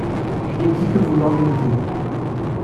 Il dit que vous l’ennuyez.